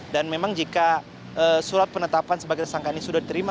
dan memang jika surat penetapan sebagai tersangka ini sudah diterima